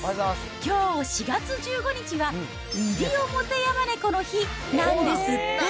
きょう４月１５日はイリオモテヤマネコの日なんですって。